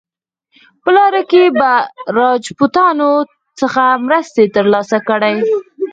په لاره کې به د راجپوتانو څخه مرستې ترلاسه کړي.